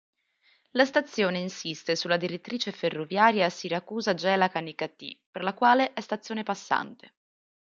La stazione insiste sulla direttrice ferroviaria Siracusa-Gela-Canicattì per la quale è stazione passante.